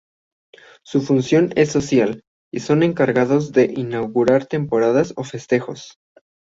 Su función es social y son encargadas de inaugurar temporadas o festejos.